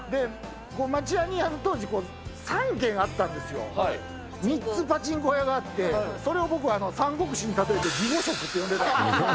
町屋に、当時３軒あったんですよ、３つ、パチンコ屋があって、それを僕は三国志に例えて魏呉蜀って呼んでた。